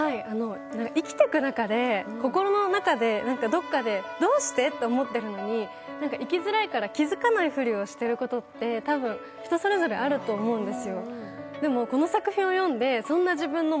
生きていく中で心の中でどこかでどうして？と思ってるのに、生きづらいから、気付かないふりをしてることって今日は、マスクのセットだそうです